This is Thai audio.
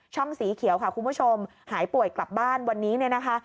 สีเขียวค่ะคุณผู้ชมหายป่วยกลับบ้านวันนี้เนี่ยนะคะ